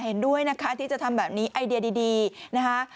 เห็นด้วยนะคะที่จะทำแบบนี้ไอเดียดีนะคะ